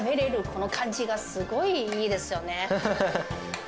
この感じがすごいいいですよね。